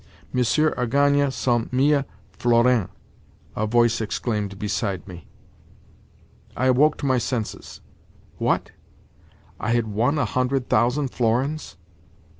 "Monsieur a gagné cent mille florins," a voice exclaimed beside me. I awoke to my senses. What? I had won a hundred thousand florins?